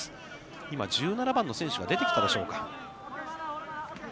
今１７番の選手が出てきたでしょうか。